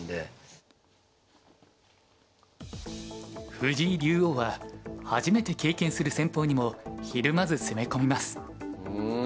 藤井竜王は初めて経験する戦法にもひるまず攻め込みます。